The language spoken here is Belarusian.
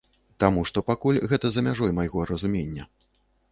Таму што пакуль гэта за мяжой майго разумення.